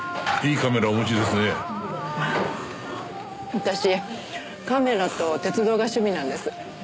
私カメラと鉄道が趣味なんです。